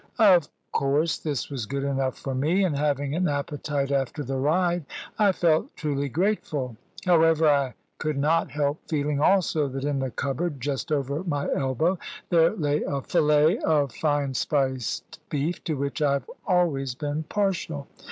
Of course this was good enough for me; and having an appetite after the ride, I felt truly grateful. However, I could not help feeling also that in the cupboard just over my elbow there lay a fillet of fine spiced beef, to which I have always been partial.